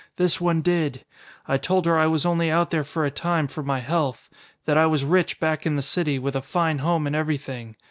"This one did. I told her I was only out there for a time for my health. That I was rich back in the city, with a fine home and everything.